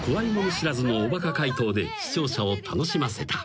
知らずのおバカ解答で視聴者を楽しませた］